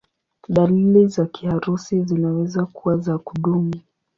Dalili za kiharusi zinaweza kuwa za kudumu.